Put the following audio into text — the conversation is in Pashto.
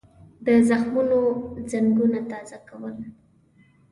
د زخمونو زنګونه تازه کول.